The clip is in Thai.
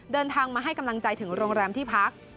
เดินทางมาให้กำลังใจถึงโรงแรมที่พัก